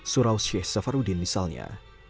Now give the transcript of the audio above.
surau syekh safarudin misalnya